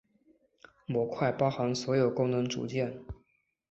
模块包含所有功能组件。